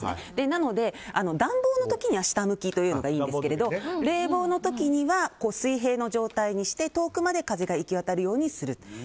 なので、暖房の時には下向きというのがいいんですけど冷房の時は水平の状態にして遠くまで風が行き渡るようにする。